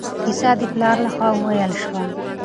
کیسه د پلار له خوا وویل شوه.